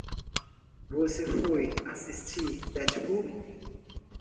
Você foi assisti Deadpool?